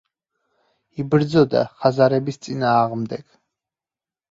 იბრძოდა ხაზარების წინააღმდეგ.